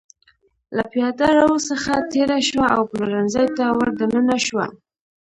له پېاده رو څخه تېره شوه او پلورنځي ته ور دننه شوه.